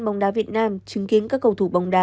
bóng đá việt nam chứng kiến các cầu thủ bóng đá